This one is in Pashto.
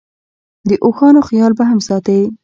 د اوښانو خیال به هم ساتې.